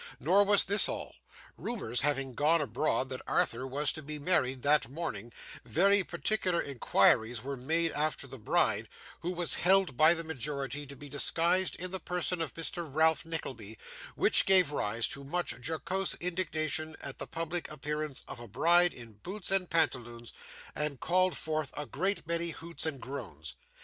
Nor was this all. Rumours having gone abroad that Arthur was to be married that morning, very particular inquiries were made after the bride, who was held by the majority to be disguised in the person of Mr. Ralph Nickleby, which gave rise to much jocose indignation at the public appearance of a bride in boots and pantaloons, and called forth a great many hoots and groans.